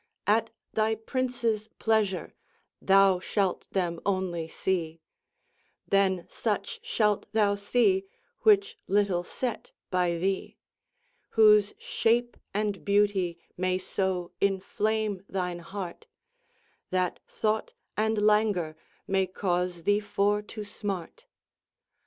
At thy princes pleasour thou shalt them only see, Then suche shalt thou see which little set by thee, Whose shape and beautie may so inflame thine heart, That thought and languor may cause thee for to smart.